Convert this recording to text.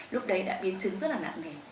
lúc đấy đã biến chứng rất là nặng nề